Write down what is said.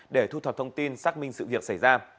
để thu thập thông tin xác minh sự việc xảy ra